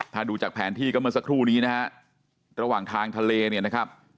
ถ้าดูจากแผนที่ก็เมื่อสักครู่นี้นะฮะระหว่างทางทะเลเนี่ยนะครับ